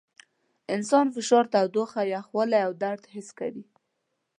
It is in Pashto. انسان فشار، تودوخه، یخوالي او درد حس کوي.